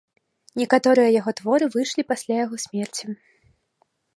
Некаторыя яго творы выйшлі пасля яго смерці.